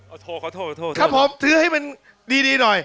อ่ะาโทษครับผมทือให้มันดีหน่อย